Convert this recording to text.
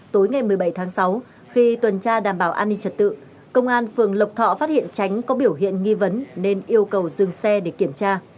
tối ngày một mươi bảy tháng sáu khi tuần tra đảm bảo an ninh trật tự công an phường lộc thọ phát hiện tránh có biểu hiện nghi vấn nên yêu cầu dừng xe để kiểm tra